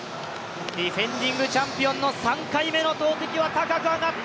ディフェンディングチャンピオンの３回目の投てきは高く上がった、